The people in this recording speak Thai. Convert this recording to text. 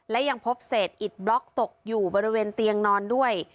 และยังพบเศษอิดบล็อกตกอยู่บริเวณเตียงนอนด้วย